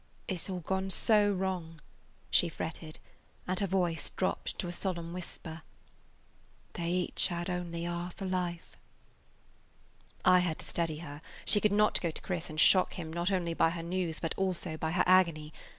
"It 's all gone so wrong," she fretted, and her voice dropped to a solemn whisper. "They each had only half a life." [Page 173] I had to steady her. She could not go to Chris and shock him not only by her news, but also by her agony.